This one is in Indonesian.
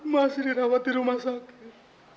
masih dirawat di rumah sakit